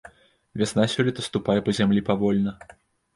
Вясна сёлета ступае па зямлі павольна.